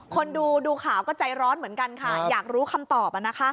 คนดูข่าวก็ใจร้อนเหมือนกันค่ะอยากรู้คำตอบ